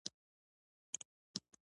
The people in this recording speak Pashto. تواب وويل: بیا هم خطر دی.